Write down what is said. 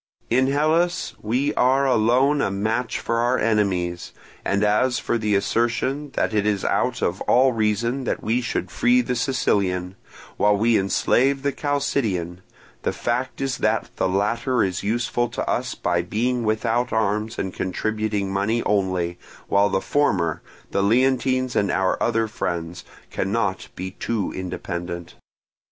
In Hellas we are alone a match for our enemies; and as for the assertion that it is out of all reason that we should free the Sicilian, while we enslave the Chalcidian, the fact is that the latter is useful to us by being without arms and contributing money only; while the former, the Leontines and our other friends, cannot be too independent.